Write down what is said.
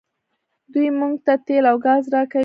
دوی موږ ته تیل او ګاز راکوي.